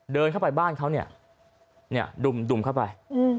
เดินเข้าไปบ้านเขาเนี่ยดุ่มเข้าไป